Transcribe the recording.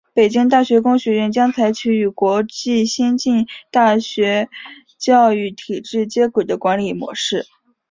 北京大学工学院将采取与国际先进大学教育体制接轨的管理模式。